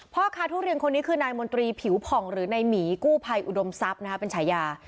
พ่อค้าทุเรียนคนนี้คือนายมนตรีผิวผ่องหรือนายหมีกู้ภัยอุดมทรัพย์เป็นฉายา